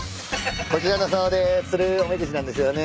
こちらのさおで釣るおみくじなんですよね。